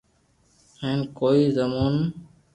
ھون ڪوئي رمو